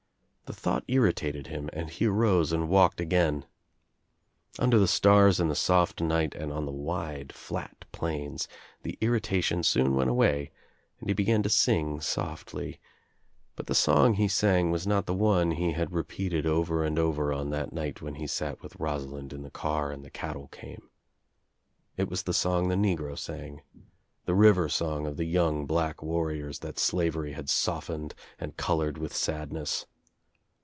The thought irritated him and he arose and walked again. Under the stars in the soft night and on the wide flat plains the irritation soon went away and he began to sing softly, but the OUT OF NOWHERE INTO NOTHING 231 song he sang was not the one he had repeated over and over on that other night when he sat with Rosalind in the car and the cattle came. It was the song the negro sang, the river song of the young black warriors that slavery had softened and colored with sadness.